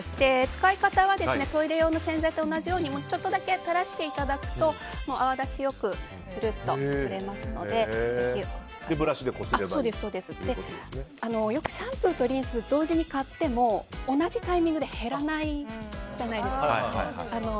使い方はトイレ用の洗剤と同じようにちょっとだけ垂らしていただくと泡立ちよくするっととれますのでブラシでよくシャンプーとリンスを同時に買っても同じタイミングで減らないじゃないですか。